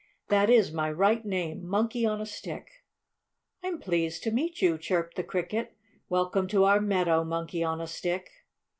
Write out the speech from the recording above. "That is my right name Monkey on a Stick." "I'm pleased to meet you," chirped the Cricket. "Welcome to our meadow, Monkey on a Stick."